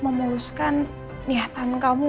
memuluskan niatan kamu